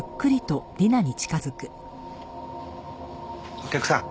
お客さん